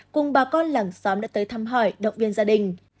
cùng bà con làng xóm đã tới thăm hỏi động viên gia đình